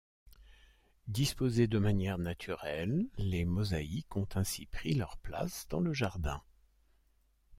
Disposées de manière naturelle les mosaïques ont ainsi pris leur place dans le jardin.